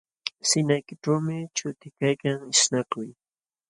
Sinqaykićhuumi chuti kaykan ishnakuy